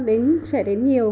bệnh viện đến vì